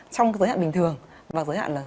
trong giới hạn bình thường và giới hạn là